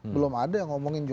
belum ada yang ngomongin